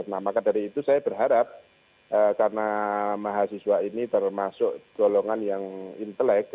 nah maka dari itu saya berharap karena mahasiswa ini termasuk golongan yang intelek